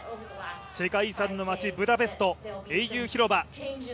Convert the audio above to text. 世界遺産の街・ブダペスト英雄広場。